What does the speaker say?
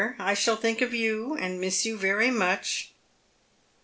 I shall think of you, and miss you very much."